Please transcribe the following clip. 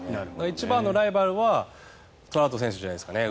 一番のライバルはトラウト選手じゃないですかね